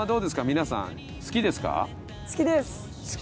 皆さん好きですか？